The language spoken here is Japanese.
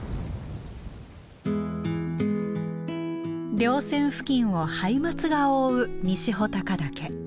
りょう線付近をハイマツが覆う西穂高岳。